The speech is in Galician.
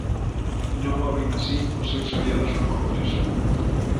Non o ven así os seus aliados no Congreso.